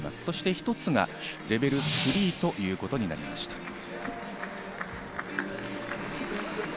そして１つがレベル３ということになりました。